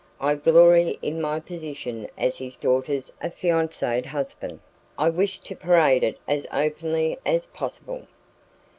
I glory in my position as his daughter's affianced husband; I wish to parade it as openly as possible.